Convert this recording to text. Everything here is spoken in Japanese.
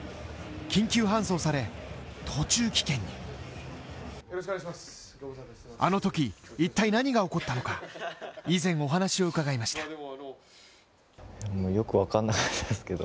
緊急搬送され、途中棄権にあのとき、一体何が起こったのか、以前お話を伺いました。